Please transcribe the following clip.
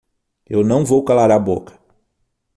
Eu não vou calar a boca!